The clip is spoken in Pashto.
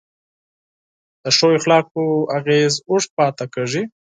د ښو اخلاقو تاثیر اوږد پاتې کېږي.